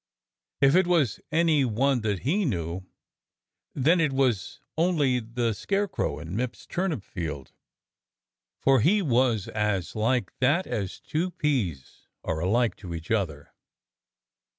If it was any one that he knew, then it was only the scarecrow in Mipps's turnip field, for he was as like that as two peas are alike to each other.